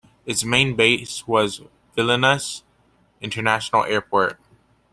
Its main base was Vilnius International Airport.